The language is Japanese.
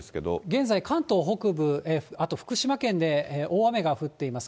現在、関東北部、あと福島県で大雨が降っています。